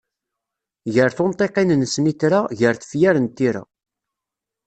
Gar tunṭiqin n snitra, gar tefyar n tira.